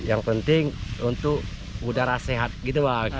yang penting untuk udara sehat gitu bang